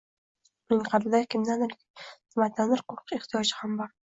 Uning qalbida kimdandir yoki nimadandir qo‘rqish ehtiyoji ham bor.